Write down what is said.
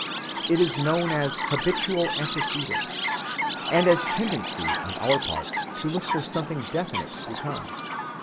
It is known as habitual antecedence, and as tendency on our part to look for something definite to come.